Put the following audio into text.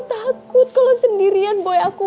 takut kalau sendirian boy aku